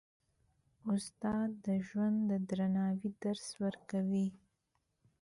استاد د ژوند د درناوي درس ورکوي.